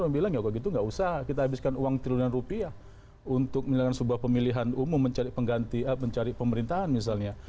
bilang ya kalau gitu nggak usah kita habiskan uang triliunan rupiah untuk menjalankan sebuah pemilihan umum mencari pemerintahan misalnya